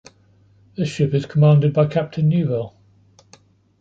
This ship is commanded by Captain Neuville.